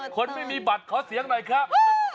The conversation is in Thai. คนไม่มีบัตรขอเสียงหน่อยครับ